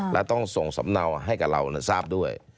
และต้องส่งสำเนาให้กับเราทราบด้วย